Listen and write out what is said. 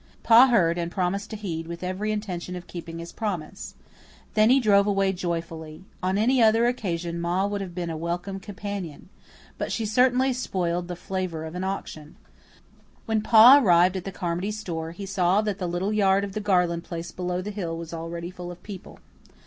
Pa heard and promised to heed, with every intention of keeping his promise. Then he drove away joyfully. On any other occasion Ma would have been a welcome companion. But she certainly spoiled the flavour of an auction. When Pa arrived at the Carmody store, he saw that the little yard of the Garland place below the hill was already full of people.